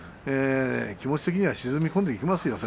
気持ち的には沈み込んでいきますよ。